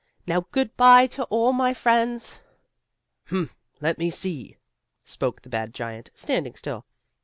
"Now good by to all my friends!" "Hum! Let me see," spoke the bad giant, standing still.